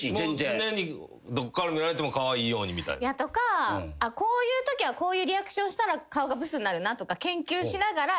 常にどっから見られてもカワイイようにみたいな。とかこういうときはこういうリアクションしたら顔がブスになるなとか研究しながらやっぱ。